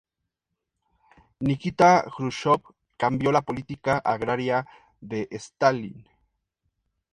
Nikita Jruschov cambió la política agraria de Stalin.